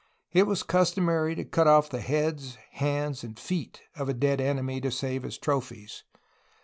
It was customary to cut off the head, hands, and feet of a dead enemy to save as trophies.